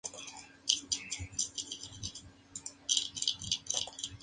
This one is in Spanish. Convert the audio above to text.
El acceso es de pequeñas dimensiones, y estaban destinadas exclusivamente al enterramiento colectivo.